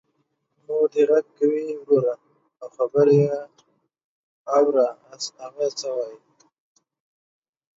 مور دی غږ کوې وروره او خبر یې اوره هغه څه وايي.